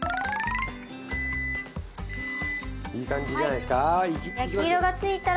いい感じじゃないですかいきますよ。